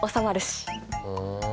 ふん。